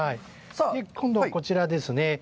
今度は、こちらですね。